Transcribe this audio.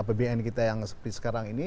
apbn kita yang seperti sekarang ini